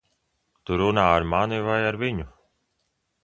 Tu runā ar mani vai ar viņu?